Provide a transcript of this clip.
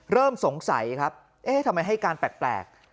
เริ่มสงสัยครับเอ๊ะทำไมให้การแปลก